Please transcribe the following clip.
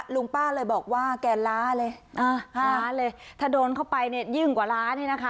ลุงป้าเลยบอกว่าแกล้าเลยอ่าห้าล้านเลยถ้าโดนเข้าไปเนี่ยยิ่งกว่าล้านนี่นะคะ